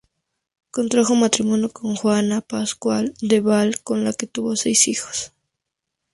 Contrajo matrimonio con Juana Pascual de Val con la que tuvo seis hijos.